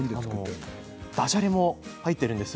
だじゃれが入っているんですよ。